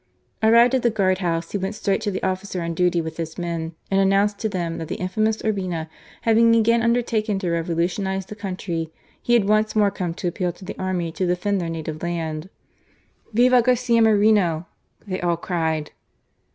; i ' Arrived at the guard house, he went straight to tli^ office on duty with his men, and announced to th^m that the in^mous Urbina having again un^er^ ta^ken to revolutioni;^ the country, he had once moi«e come to appeal to the army to defend their native land. ^:" Viva Garcia Moreno !" they all cried.